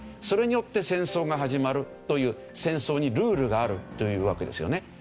それによって戦争が始まるという戦争にルールがあるというわけですよね。